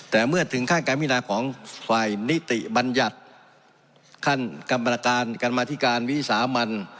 แต่เมื่อถึงขั้นการพินาของฝ่ายนิติบัญญัติขั้นกรรมการกรรมธิการวิสามัน